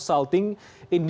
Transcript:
ini juga dengan g dua